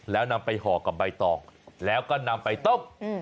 แล้วนำไปห่อกับใบตองแล้วก็นำไปต้ม